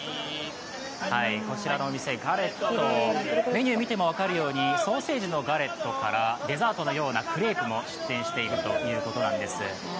こちらのお店、メニュー見ても分かるようにソーセージのガレットからデザートのようなクレープも出店しているということなんです。